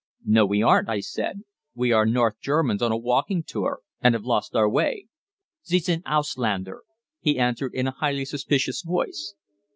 "No, we aren't," I said; "we are North Germans on a walking tour and have lost our way." "Sie sind Ausländer," he answered in a highly suspicious voice.